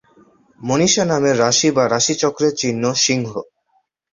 মনীষা নামের রাশি বা রাশিচক্রের চিহ্ন সিংহ।